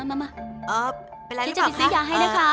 เอ่อเป็นไรรึเปล่าคะ